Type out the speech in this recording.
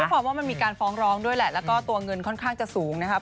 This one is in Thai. ความว่ามันมีการฟ้องร้องด้วยแหละแล้วก็ตัวเงินค่อนข้างจะสูงนะครับ